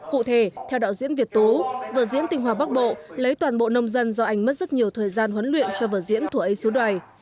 cụ thể theo đạo diễn việt tú vợ diễn tình hòa bắc bộ lấy toàn bộ nông dân do anh mất rất nhiều thời gian huấn luyện cho vợ diễn thùa ấy sứ đoài